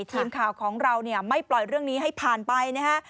ทีมข่าวของเราเนี่ยไม่ปล่อยเรื่องนี้ให้ผ่านไปนะฮะ